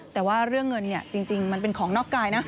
แต่ว่าเรื่องเงินเนี่ยจริงมันเป็นของนอกกายนะ